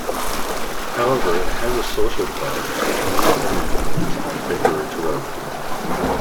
However it has a social club, which meets in the evenings on Vicarage Road.